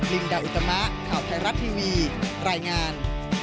ลินดาอุตมะข่าวไทยรัฐทีวีรายงาน